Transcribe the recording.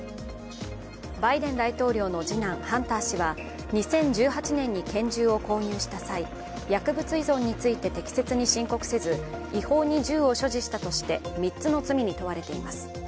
バイデン大統領の次男・ハンター氏は２０１８年に拳銃を購入した際、薬物依存について適切に申告せず違法に銃を所持したとして３つの罪に問われています。